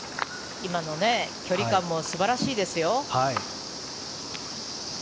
今の距離感も素晴らしいですよ。